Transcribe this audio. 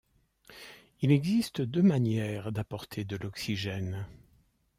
Il existe deux manières d'apporter de l'oxygène.